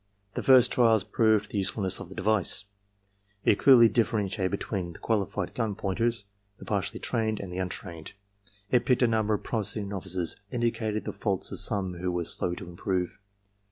"The first trials proved the usefulness of the device. It clearly differentiated between the qualified gun pointers, the partially trained, and the untrained. It picked a number of promising novices and indicated the faults of some who were slow to improve.